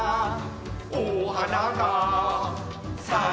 「おはながさいてる」